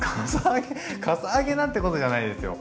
かさあげなんてことじゃないですよ。